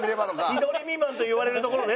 千鳥未満と言われるところね